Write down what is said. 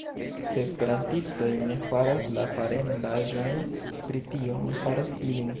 Se Esperantistoj ne faras la farendaĵojn pri tio, mi faros ilin.